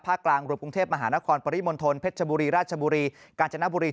กลางรวมกรุงเทพมหานครปริมณฑลเพชรชบุรีราชบุรีกาญจนบุรี